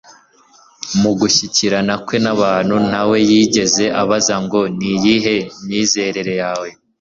Mu gushyikirana kwe n'abantu ntawe yigeze abaza ngo, Ni iyihe myizerere yawe